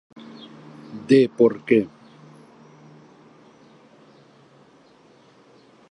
De por que.